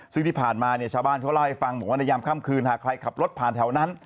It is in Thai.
ซึ่งที่ผ่านมาเนี่ยชาวบ้านเขาเล่าให้ฟังบอกว่าในยามค่ำคืนหากใครขับรถผ่านแถวนั้น